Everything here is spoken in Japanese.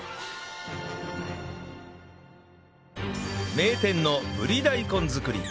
名店のぶり大根作り